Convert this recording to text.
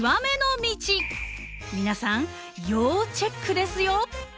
皆さん要チェックですよ。